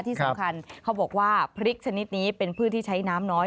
ที่สำคัญเขาบอกว่าพริกชนิดนี้เป็นพืชที่ใช้น้ำน้อย